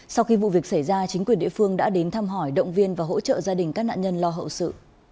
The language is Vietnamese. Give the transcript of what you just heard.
sau khi vụ việc xảy ra chính quyền địa phương đã đến thăm hỏi động viên và hỗ trợ gia đình các nạn nhân lo hậu sự